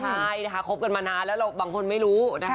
ใช่นะคะคบกันมานานแล้วเราบางคนไม่รู้นะคะ